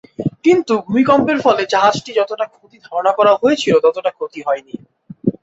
কিন্তু ভূমিকম্পের ফলে জাহাজটির যতটা ক্ষতি ধারণা করা হয়েছিলো, ততটা ক্ষতি হয়নি।